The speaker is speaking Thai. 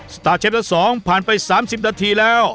สตาร์เชฟทั้ง๒ผ่านไป๓๐นาทีแล้ว